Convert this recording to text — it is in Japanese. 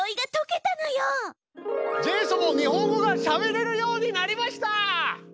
ジェイソンも日本語がしゃべれるようになりました！